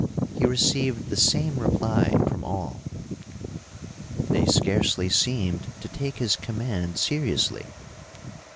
He received the same reply from all. They scarcely seemed to take his command seriously.